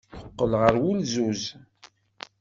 Teqqel ɣer wulzuz.